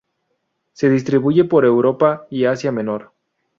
Se distribuye por Europa y Asia Menor.